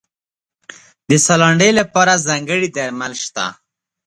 د ساه لنډۍ لپاره ځانګړي درمل شته.